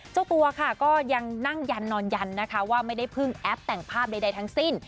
เจ้าตัวค่ะก็ยังนั่งยันนอนยันนะคะว่าไม่ได้พึ่งแอปแต่งภาพใดทั้งสิ้น